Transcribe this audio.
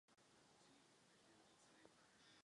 Tady působil především na svém domovském letišti v Nitře.